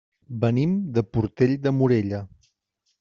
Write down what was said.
Venim de Portell de Morella.